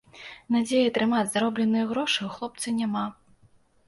Надзеі атрымаць заробленыя грошы ў хлопца няма.